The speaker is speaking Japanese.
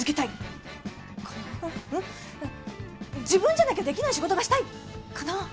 いや自分じゃなきゃできない仕事がしたい。かな？